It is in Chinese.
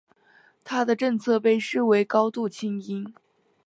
他的政策被视为高度亲英。